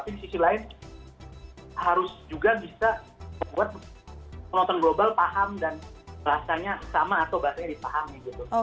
tapi di sisi lain harus juga bisa membuat penonton global paham dan bahasanya sama atau bahasanya dipahami gitu